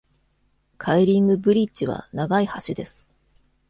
カイリング・ブリッジは長いは橋です。